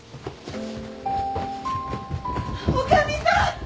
女将さん！